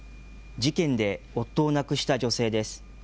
事件で夫を亡くした女性です。